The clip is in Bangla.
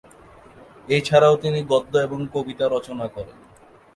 এছাড়াও তিনি গদ্য এবং কবিতা রচনা করেন।